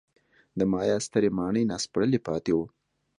د مایا سترې ماڼۍ ناسپړلي پاتې وو.